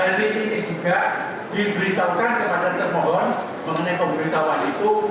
elit ini juga diberitahukan kepada termohon mengenai pemberitahuan itu